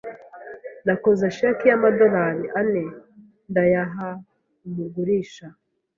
Nakoze cheque y'amadorari ane ndayaha umugurisha.